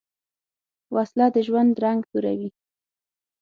وسله د ژوند رنګ توروې